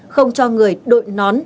không cho người đội nón